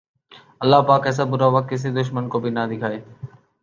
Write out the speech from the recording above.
اللہ پاک ایسا برا وقت کسی دشمن کو بھی نہ دکھائے